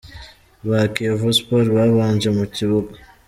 ba Kiyovu Sport babanje mu kibuga.